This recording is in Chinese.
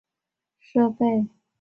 仓库则主要用作存放紧急设备。